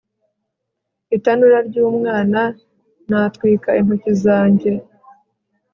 itanura ry'umwana natwika intoki zanjye